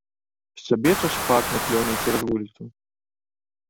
Шчабеча шпак на клёне цераз вуліцу.